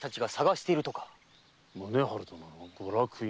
宗春殿のご落胤？